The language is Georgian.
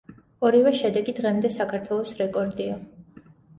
ორივე შედეგი დღემდე საქართველოს რეკორდია.